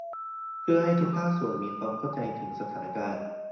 เพื่อให้ทุกภาคส่วนมีความเข้าใจถึงสถานการณ์